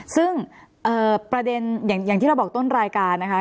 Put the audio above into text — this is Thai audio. ซึ่งประเด็นอย่างที่เราบอกต้นรายการนะคะ